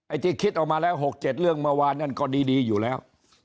ที่คิดออกมาแล้ว๖๗เรื่องเมื่อวานนั้นก็ดีอยู่แล้ว